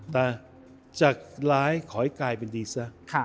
แต่จากร้ายขอให้กลายเป็นดีซะ